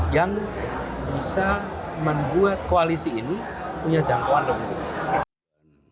yang bisa membuat koalisi ini punya jangkauan dan keputusan